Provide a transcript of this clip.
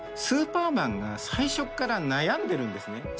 スーパーマンが最初っから悩んでるんですね。